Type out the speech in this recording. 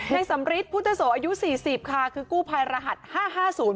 สำริทพุทธโสอายุสี่สิบค่ะคือกู้ภัยรหัสห้าห้าศูนย์